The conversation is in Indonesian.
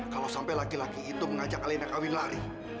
kalau sampai laki laki itu mengajak elena kawin lari